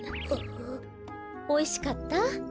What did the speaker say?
おいしかった？